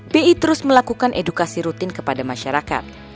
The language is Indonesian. bi terus melakukan edukasi rutin kepada masyarakat